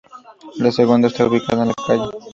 La segunda está ubicada en la Calle.